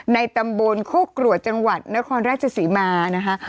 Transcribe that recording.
ในตำบลโคกรวดจังหวัดนครราชศรีมานะคะ